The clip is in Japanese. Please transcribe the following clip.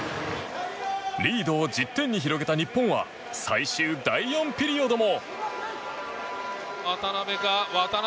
リードを１０点に広げた日本は最終第４ピリオドも。